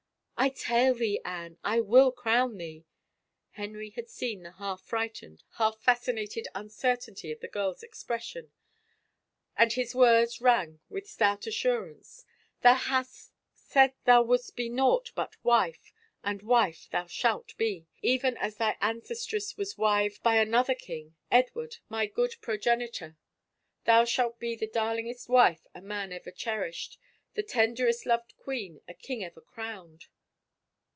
" I tell thee, Anne, I will crown thee 1 " Henry had seen the half frightened, half fascinated imcertainty of the girl's expression, and his words rang with stout assur ance. " Thou hast said thou wouldst be naught but wife, and wife thou shalt be — even as thy ancestress was wived 109 THE FAVOR OF KINGS by another king, Edward, my good progenitor. Thou shalt be the darlingest wife a man ever cherished, the tenderest loved queen a king ever crowned."